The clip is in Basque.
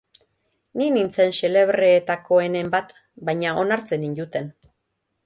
Ni nintzen xelebreetakoenen bat, baina onartzen ninduten.